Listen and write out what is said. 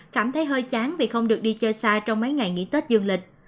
cảm thấy hơi chán vì không được đi chơi xa trong mấy ngày nghỉ tết dương lịch